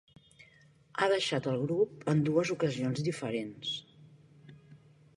Ha deixat el grup en dues ocasions diferents.